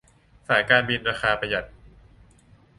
สายการบินราคาประหยัด